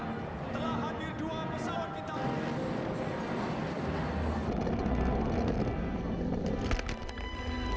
setelah hadir dua pesawat kita